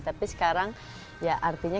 tapi sekarang ya artinya